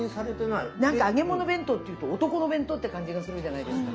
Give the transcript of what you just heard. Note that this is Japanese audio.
なんか揚げ物弁当っていうと男の弁当っていう感じがするじゃないですか。